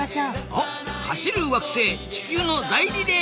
おっ走る惑星・地球の大リレーですな。